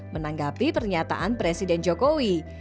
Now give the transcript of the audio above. menanggapi pernyataan presiden jokowi